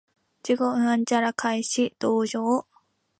我已經開始同情